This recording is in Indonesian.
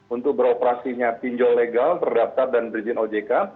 untuk beroperasinya pinjol legal terdaftar dan berizin ojk